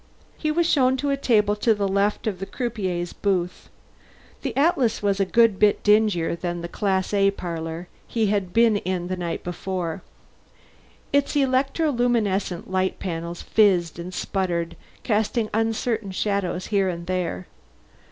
He was shown to a table to the left of the croupier's booth. The Atlas was a good bit dingier than the Class A parlor he had been in the night before; its electroluminescent light panels fizzed and sputtered, casting uncertain shadows here and there.